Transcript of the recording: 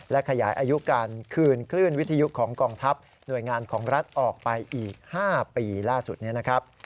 และขยายอายุการคืนคลื่นวิทยุของกองทัพหน่วยงานของรัฐออกไปอีก๕ปีล่าสุดนี้นะครับ